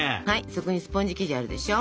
そこにスポンジ生地があるでしょ。